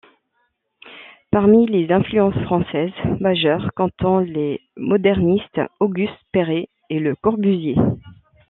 Parmi les influences françaises majeures, comptons les modernistes Auguste Perret et Le Corbusier.